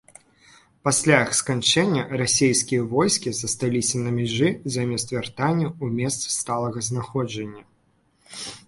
Пасля іх сканчэння расійскія войскі засталіся на мяжы замест вяртання ў месцы сталага знаходжання.